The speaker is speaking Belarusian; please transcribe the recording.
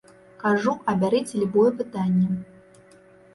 Кажу, абярыце любое пытанне.